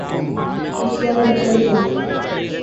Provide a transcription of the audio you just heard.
کرسیاں بھی چل جائیں۔